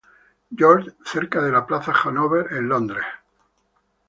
George, cerca de la plaza Hanover en Londres.